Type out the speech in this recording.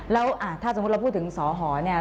แล้วถ้าจมดเราพูดถึงสรหเนี่ย